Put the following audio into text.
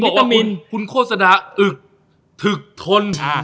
บอกว่ามีคุณโฆษณาอึกถึกทน